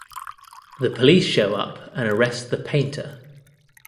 The police show up and arrest the painter.